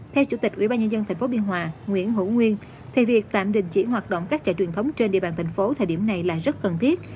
theo chủ tịch ubnd tp biên hòa nguyễn hữu nguyên thì việc tạm đình chỉ hoạt động các chạy truyền thống trên địa bàn thành phố thời điểm này là rất cần thiết